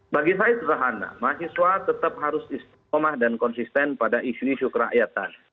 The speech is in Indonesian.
bagi saya sederhana mahasiswa tetap harus istiqomah dan konsisten pada isu isu kerakyatan